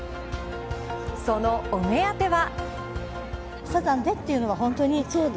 そのお目当ては。